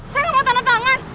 saya nggak mau tanda tangan